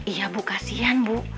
iya bu kasihan bu